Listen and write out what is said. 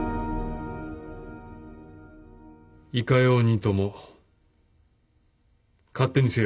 いかようにとも勝手にせよ。